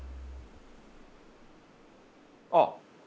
ああ。